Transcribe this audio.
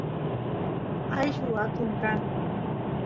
ayllu atun kan